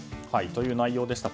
という内容でした。